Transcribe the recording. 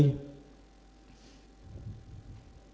ketika saya membeli senjatanya